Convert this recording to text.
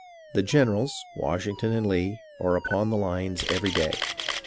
The generals, Washington and Lee, are upon the lines every day.